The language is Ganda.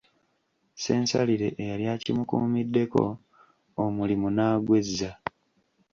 Ssensalire eyali akimukuumiddeko omulimu n’agwezza.